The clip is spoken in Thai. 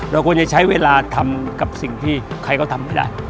เราควรจะใช้เวลาทำกับสิ่งที่ใครเขาทำไม่ได้